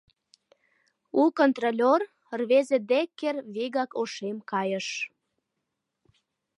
У контролёр, рвезе Деккер, вигак ошем кайыш.